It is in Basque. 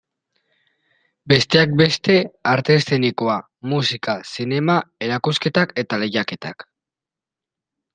Besteak beste, arte eszenikoak, musika, zinema, erakusketak eta lehiaketak.